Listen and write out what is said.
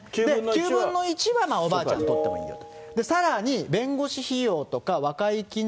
９分の１はおばあちゃん、取ってもいいよと。